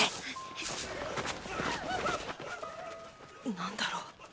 何だろう？